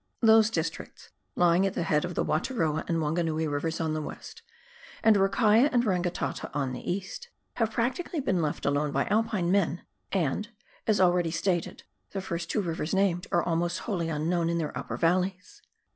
Those districts lying at the head of the Wataroa and Wan ganui Rivers on the west, and Eakaia and Rangitata on the east, have practically been left alone by Alpine men, and, as already stated, the first two rivers named are almost wholly unknown in their upper valleys.